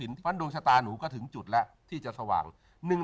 เพราะฉะนั้นดวงชะตาหนูก็ถึงจุดแล้วที่จะสว่าง